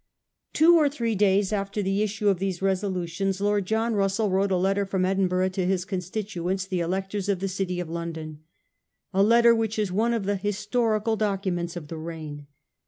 Two or three days after the issue of these resolu tions Lord John Russell wrote a letter from Edin burgh to his constituents, the electors of the City of London — a letter which is one of the historical docu ments of the reign.